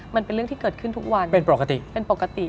มันเป็นเรื่องที่เกิดขึ้นทุกวันเป็นปกติเป็นปกติ